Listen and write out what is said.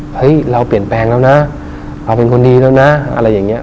เฮ้ยเราเปลี่ยนแปลงแล้วนะเราเป็นคนดีแล้วนะอะไรอย่างเงี้